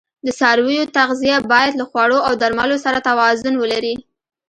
د څارویو تغذیه باید له خوړو او درملو سره توازون ولري.